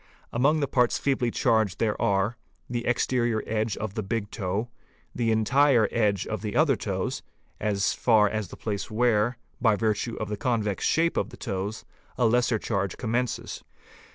Among the parts feebly charged there are: the exterior edge of the big toe, the entire edge — of the other toes, as far as the place where, by virtue of the convex shape j of the toes, a lesser charge commences.